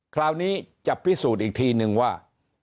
คราวนี้จะพิสูจน์อีกทีนึงว่า